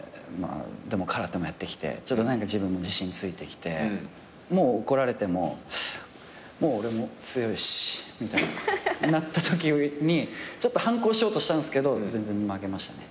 でも空手もやってきて自分も自信ついてきて怒られてももう俺も強いしみたいななったときにちょっと反抗しようとしたんすけど全然負けましたね